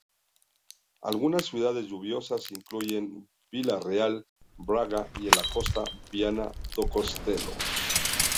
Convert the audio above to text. Algunas ciudades lluviosas incluyen Vila Real, Braga y, en la costa, Viana do Castelo.